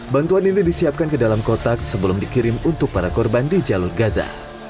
bantuan ini disiapkan ke dalam kotak sebelum dikirim untuk para korban di jalur gaza